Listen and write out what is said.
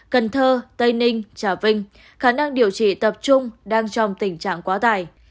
cần thơ tây ninh trà vinh khả năng điều trị tập trung đang trong tình trạng quá tải